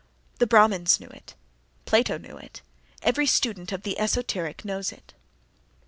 The Brahmins knew it, Plato knew it, every student of the esoteric knows it.